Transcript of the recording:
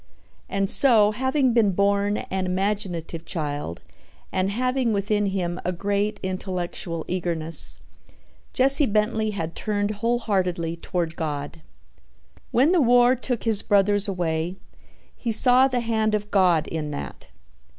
And so, having been born an imaginative child and having within him a great intellectual eagerness, Jesse Bentley had turned wholeheartedly toward God. When the war took his brothers away, he saw the hand of God in that.